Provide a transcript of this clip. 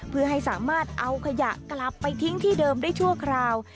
เพื่อให้สามารถเอาขยะกลับไปทิ้งที่เดิมได้ชั่วคราว